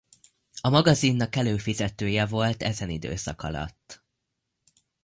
A magazinnak előfizetője volt ezen időszak alatt.